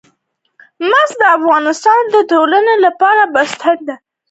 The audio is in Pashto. مس د افغانستان د ټولنې لپاره بنسټيز رول لري.